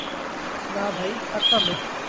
না ভাই, ঠাট্টা নয়।